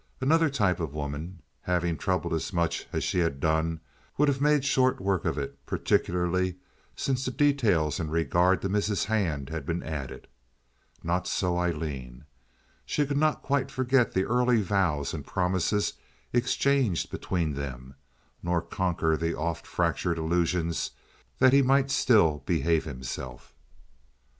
Another type of woman, having troubled as much as she had done, would have made short work of it, particularly since the details in regard to Mrs. Hand had been added. Not so Aileen. She could not quite forget the early vows and promises exchanged between them, nor conquer the often fractured illusions that he might still behave himself.